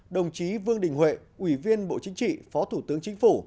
đồng chí vương đình huệ ủy viên bộ chính trị phó thủ tướng chính phủ